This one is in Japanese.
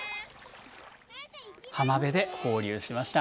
浜辺で放流しました。